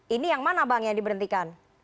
ini yang mana bang yang diberhentikan